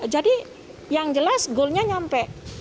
jadi yang jelas goalnya nyampe